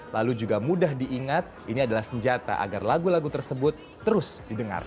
lalu juga mudah diingat ini adalah senjata agar lagu lagu tersebut terus didengar